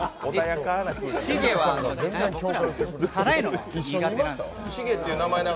チゲは辛いのが苦手なんですよ。